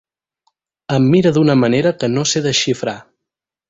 Em mira d'una manera que no sé desxifrar.